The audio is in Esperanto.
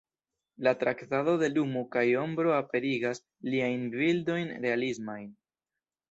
La traktado de lumo kaj ombro aperigas liajn bildojn realismaj.